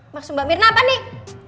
maksud mbak mirna apa nih